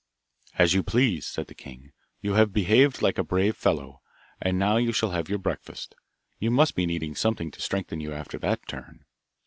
'As you please,' said the king, 'you have behaved like a brave fellow, and now you shall have your breakfast. You must be needing something to strengthen you after that turn.